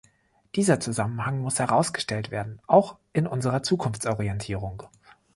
Dieser Zusammenhang muss herausgestellt werden, auch in unserer Zukunftsorientierung.